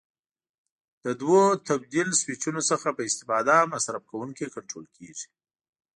له دوو تبدیل سویچونو څخه په استفاده مصرف کوونکی کنټرول کېږي.